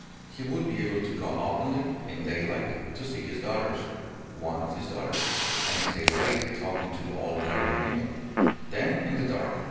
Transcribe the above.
He would be able to go openly, in daylight, to see his daughters one of his daughters and stay late talking to the old Garibaldino. Then in the dark